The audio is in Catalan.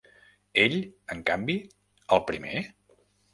Ell, en canvi, el primer?